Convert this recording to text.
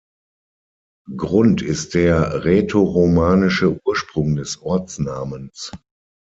Grund ist der rätoromanische Ursprung des Ortsnamens.